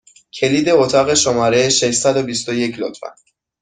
کلید اتاق شماره ششصد و بیست و یک، لطفا!